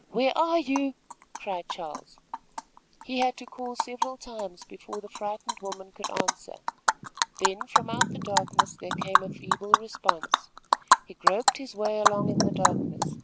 where are you?" cried Charles. He had to call several times before the frightened woman could answer. Then from out the darkness there came a feeble response. He groped his way along in the darkness.